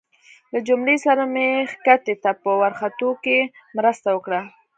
له جميله سره مې کښتۍ ته په ورختو کې مرسته وکړه.